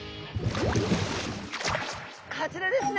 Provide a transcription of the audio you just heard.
こちらですね。